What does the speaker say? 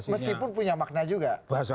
meskipun punya makna juga